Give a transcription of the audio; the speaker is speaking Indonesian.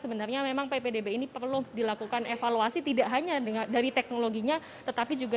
sebenarnya memang ppdb ini perlu dilakukan evaluasi tidak hanya dari teknologinya tetapi juga